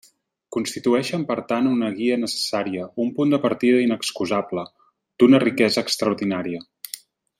Constitueixen per tant una guia necessària, un punt de partida inexcusable, d'una riquesa extraordinària.